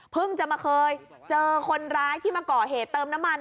จะมาเคยเจอคนร้ายที่มาก่อเหตุเติมน้ำมัน